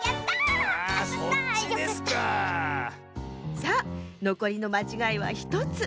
さあのこりのまちがいは１つ。